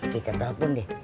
kita telepon deh